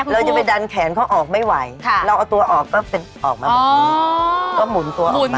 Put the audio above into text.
เราจะไปดันแขนเขาออกไม่ไหวเราเอาตัวออกก็ออกมาแบบนี้ก็หมุนตัวออกมา